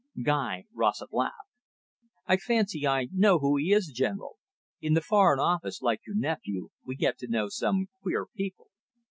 Guy Rossett laughed. "I fancy I know who he is, General; in the Foreign Office, like your nephew, we get to know some queer people.